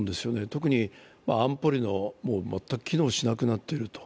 特に安保理が全く機能しなくなっていると。